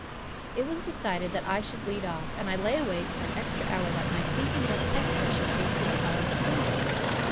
It was decided that I should lead off, and I lay awake for an extra hour that night thinking what text I should take for the following Sunday.